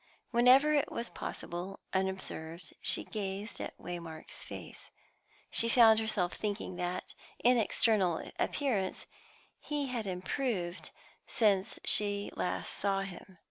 Whenever it was possible unobserved, she gazed at Waymark's face. She found herself thinking that, in external appearance, he had improved since she last saw him.